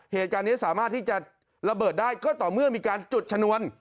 เหตุการณ์นี้สามารถที่จะระเบิดได้ก็ต่อเมื่อมีการจุดชนวน